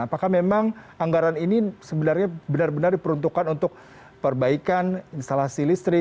apakah memang anggaran ini sebenarnya benar benar diperuntukkan untuk perbaikan instalasi listrik